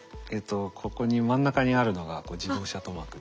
ここに真ん中にあるのが自動車塗膜です。